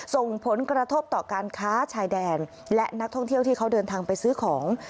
ส่งผลกระทบต่อการค้าชายแดนและนักท่องเที่ยวที่เขาเดินทางไปซื้อของ